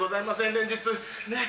連日ねっ？